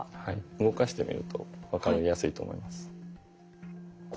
動かしてみると分かりやすいと思います。